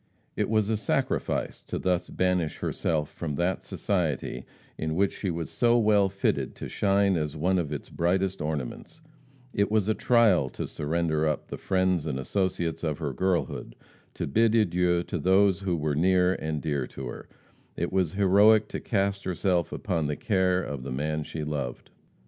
It was a sacrifice to thus banish herself from that society in which she was so well fitted to shine as one of its brightest ornaments; it was a trial to surrender up the friends and associates of her girlhood; to bid adieu to those who were near and dear to her; it was heroic to cast herself upon the care of the man she loved.